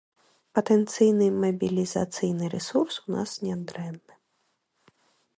Патэнцыйны мабілізацыйны рэсурс у нас нядрэнны.